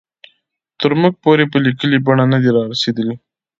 تر موږ پورې په لیکلې بڼه نه دي را رسېدلي.